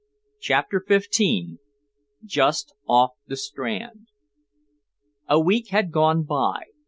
CHAPTER XV JUST OFF THE STRAND A week had gone by.